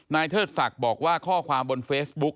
เทิดศักดิ์บอกว่าข้อความบนเฟซบุ๊ก